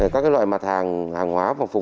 các loại mặt hàng hàng hóa phục vụ tết